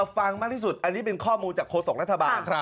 ฟังมากที่สุดอันนี้เป็นข้อมูลจากโฆษกรัฐบาล